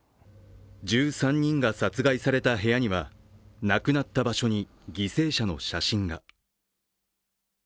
１３人が殺害された部屋には、亡くなった場所に犠牲者の写真が。